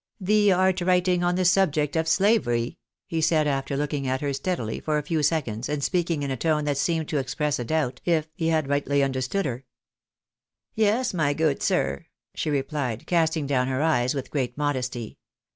" Thee art writing on the subject of slavery ?" he said, after looking at her steadily for a few seconds, and speaking in a tone that seemed to express a doubt if he had rightly understood her. " Yes, my good sir," she replied, casting down her eyes with great modesty.